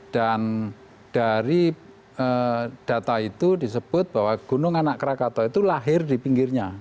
dan dari data itu disebut bahwa gunung anak krakatau itu larut